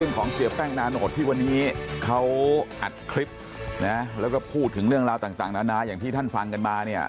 ของเสียแป้งนาโนตที่วันนี้เขาอัดคลิปนะแล้วก็พูดถึงเรื่องราวต่างนานาอย่างที่ท่านฟังกันมาเนี่ย